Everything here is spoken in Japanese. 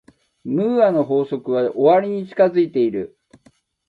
ムーアの法則は終わりに近づいている。